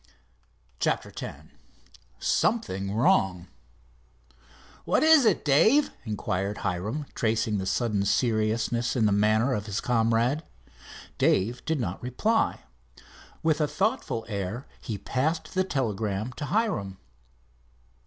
CHAPTER X SOMETHING WRONG "What is it, Dave?" inquired Hiram, tracing a sudden seriousness in the manner of his comrade. Dave did not reply. With a thoughtful air he passed the telegram to Hiram.